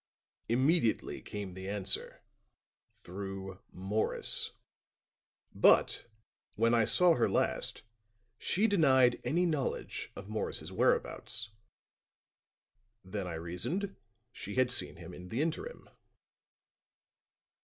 Immediately came the answer through Morris. But, when I saw her last, she denied any knowledge of Morris's whereabouts. Then I reasoned, she had seen him in the interim."